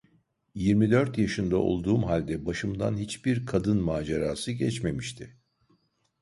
Yirmi dört yaşında olduğum halde başımdan hiçbir kadın macerası geçmemişti.